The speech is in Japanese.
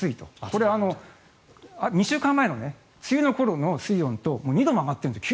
これ、２週間前の梅雨の頃の水温と２度も上がってるんです。